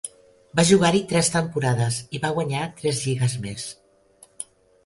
Va jugar-hi tres temporades i va guanyar tres lligues més.